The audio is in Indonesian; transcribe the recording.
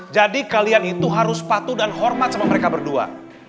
jadi kalian itu harus patuh dan hormat sama mereka berdua